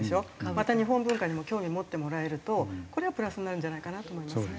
また日本文化にも興味持ってもらえるとこれはプラスになるんじゃないかなと思いますね。